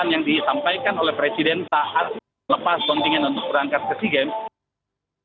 yang disampaikan oleh presiden saat lepas kontingen untuk berangkat ke sea games